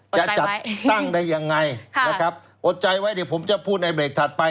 จะจัดตั้งได้ยังไงนะครับอดใจไว้เดี๋ยวผมจะพูดในเบรกถัดไป